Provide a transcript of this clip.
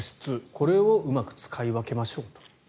これをうまく使い分けましょうと。